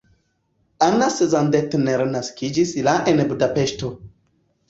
Anna Szandtner naskiĝis la en Budapeŝto.